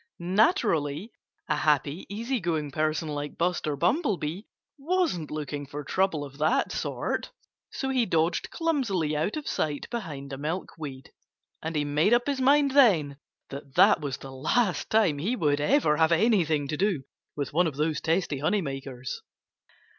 Naturally, a happy, easy going person like Buster Bumblebee wasn't looking for trouble of that sort. So he dodged clumsily out of sight behind a milkweed; and he made up his mind then that that was the last time he would ever have anything to do with one of those testy honey makers.